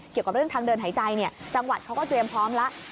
เกี่ยวกับเรื่องทางเดินหายใจจังหวัดเขาก็เตรียมพร้อมแล้ว